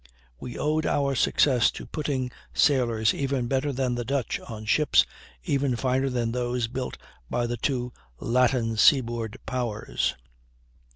We owed our success to putting sailors even better than the Dutch on ships even finer than those built by the two Latin seaboard powers.